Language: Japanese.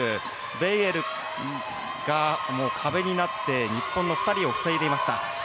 ベイエルが壁になって日本の２人を塞いでいました。